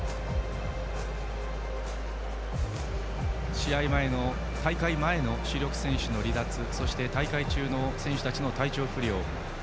試合前の、大会前の主力選手の離脱そして大会中の選手たちの体調不良。